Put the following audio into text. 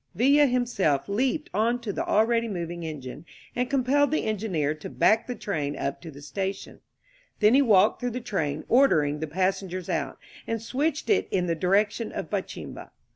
Villa himself leaped on to the already moving 134 FUNERAL OF ABRAM GONZALES engine and compelled the engineer to back the train up to the station. Then he walked through the train, ordering the passengers out, and switched it in the direction of Bachimba.